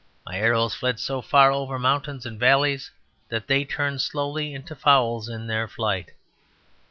My arrows fled so far over mountain and valley that they turned slowly into fowls in their flight.